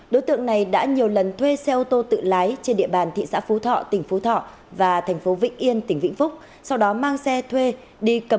đối tượng này đã nhiều lần thuê xe ô tô tự lái trên địa bàn thị xã phú thọ tỉnh phú thọ và thành phố vĩnh yên tỉnh vĩnh phúc